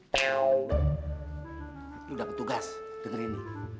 lo udah petugas dengerin ini